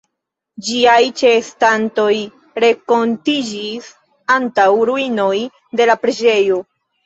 Ĝiaj ĉeestantoj renkontiĝis antaŭ ruinoj de la preĝejo.